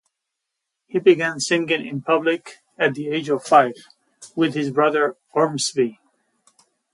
He began singing in public, at the age of five, with his brother Ormsby.